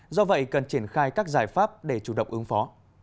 do vậy cần triển khai các giải pháp để chủ động ứng phó